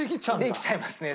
できちゃいますね。